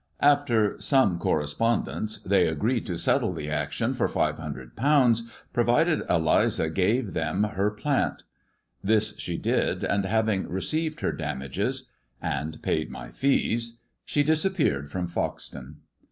After some correspondence, they agreed to settle the action for five hundred pounds, provided Eliza gave them her plant. This she did, and having received her damages, and paid my fees, she disappeared from Foxton.